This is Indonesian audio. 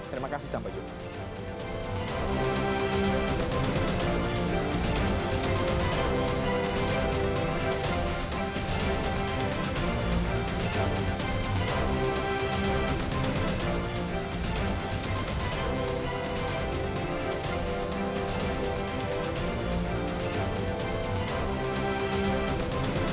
terima kasih sampai jumpa